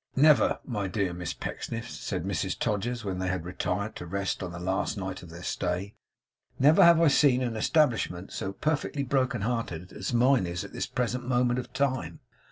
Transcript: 'Never, my dear Miss Pecksniffs,' said Mrs Todgers, when they retired to rest on the last night of their stay, 'never have I seen an establishment so perfectly broken hearted as mine is at this present moment of time.